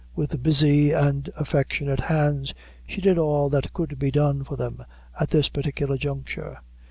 With busy and affectionate hands she did all that could be done for them at that particular juncture.